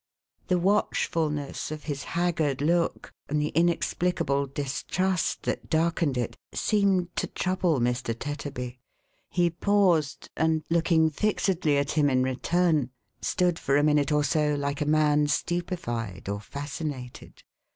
'1 The watchfulness of his haggard look, and the inexplicable distrust that darkened it, seemed to trouble Mr. Tetterby. He paused ; and looking fixedly at him in return, stood for a minute or so, like a man stupefied, or fascinated.